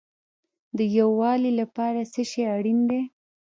د یووالي لپاره څه شی اړین دی؟